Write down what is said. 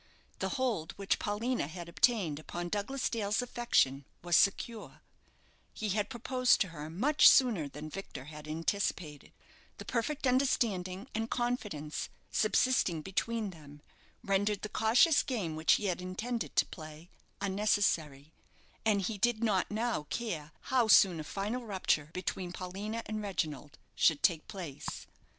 The hold which Paulina had obtained upon Douglas Dale's affection was secure; he had proposed to her much sooner than Victor had anticipated; the perfect understanding and confidence subsisting between them rendered the cautious game which he had intended to play unnecessary, and he did not now care how soon a final rupture between Paulina and Reginald should take place.